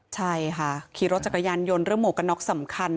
ใช่ค่ะขี่รถจักรยานยนต์เรื่องหมวกกันน็อกสำคัญ